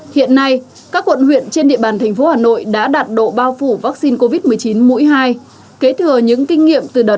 hiện nay các quận huyện trên địa bàn thành phố hà nội đã đạt độ bao phủ vaccine covid một mươi chín mũi hai